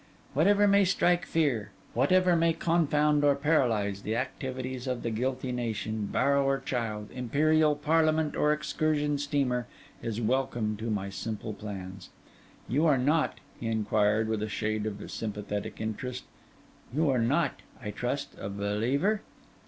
Whatever may strike fear, whatever may confound or paralyse the activities of the guilty nation, barrow or child, imperial Parliament or excursion steamer, is welcome to my simple plans. You are not,' he inquired, with a shade of sympathetic interest, 'you are not, I trust, a believer?